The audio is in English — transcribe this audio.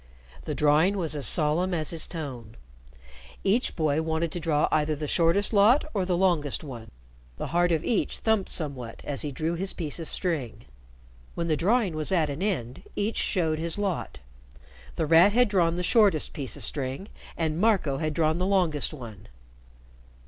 The drawing was as solemn as his tone. Each boy wanted to draw either the shortest lot or the longest one. The heart of each thumped somewhat as he drew his piece of string. When the drawing was at an end, each showed his lot. The Rat had drawn the shortest piece of string, and Marco had drawn the longest one.